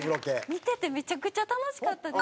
見ててめちゃくちゃ楽しかったです。